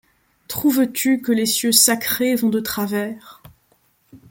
Trouves-tu que les cieux sacrés vont de travers ?